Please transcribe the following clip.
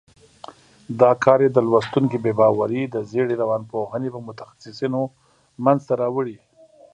دا کار یې د لوستونکي بې باوري د زېړې روانپوهنې په متخصیصینو منځته راوړي.